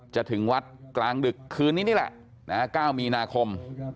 ถึงวัดกลางดึกคืนนี้นี่แหละ๙มีนาคม